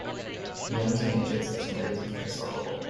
A young teenager is getting ready to kick a soccer ball.